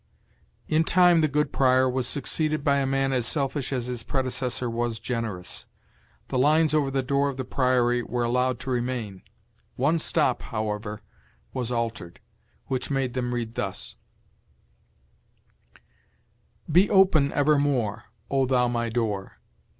In time the good prior was succeeded by a man as selfish as his predecessor was generous. The lines over the door of the priory were allowed to remain; one stop, however, was altered, which made them read thus: "Be open evermore, O thou my door!